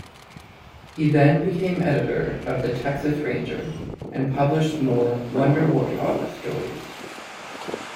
He then became editor of "The Texas Ranger" and published more "Wonder Wart-Hog" stories.